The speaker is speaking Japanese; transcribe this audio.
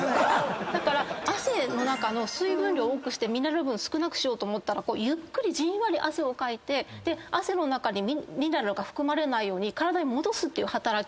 だから汗の中の水分量を多くしてミネラル分少なくしようと思ったらゆっくりじんわり汗をかいて汗の中にミネラルが含まれないように体に戻すっていう働き。